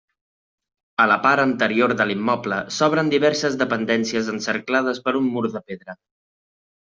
A la part anterior de l'immoble s'obren diverses dependències encerclades per un mur de pedra.